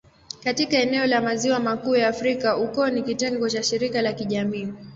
Katika eneo la Maziwa Makuu ya Afrika, ukoo ni kitengo cha shirika la kijamii.